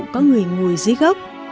có người ngồi dưới gốc